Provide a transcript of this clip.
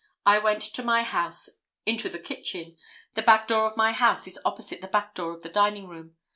I went to my house, into the kitchen. The back door of my house is opposite the back door of the dining room.